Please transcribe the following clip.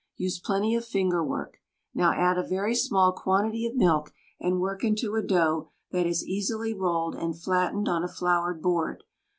Use plenty of finger work. Now add a very small quantity of milk and work into a dough that is easily rolled and flattened on a floured board.